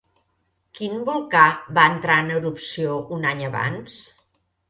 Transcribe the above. Quin volcà va entrar en erupció un any abans?